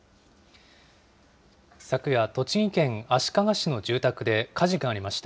昨夜、栃木県足利市の住宅で火事がありました。